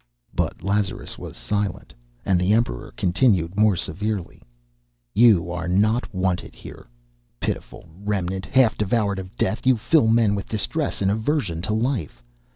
But Lazarus was silent, and the Emperor continued more severely: "You are not wanted here. Pitiful remnant, half devoured of death, you fill men with distress and aversion to life.